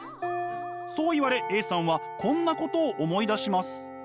そう言われＡさんはこんなことを思い出します。